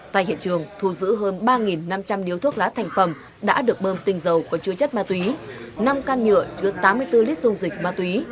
tại hiện trường thu giữ hơn ba năm trăm linh điếu thuốc lá thành phẩm đã được bơm tinh dầu có chứa chất ma túy năm can nhựa chứa tám mươi bốn lít dung dịch ma túy